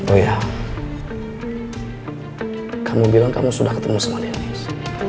oh iya kamu bilang kamu sudah ketemu sama dennis